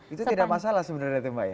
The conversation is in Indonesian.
itu tidak masalah sebenarnya itu mbak ya